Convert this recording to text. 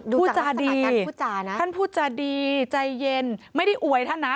พูดจาดีนะท่านพูดจาดีใจเย็นไม่ได้อวยท่านนะ